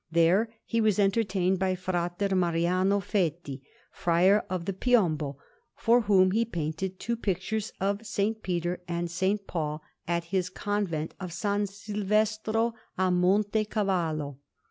There he was entertained by Fra Mariano Fetti, Friar of the Piombo, for whom he painted two pictures of S. Peter and S. Paul at his Convent of S. Silvestro a Monte Cavallo.